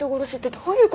どういう事？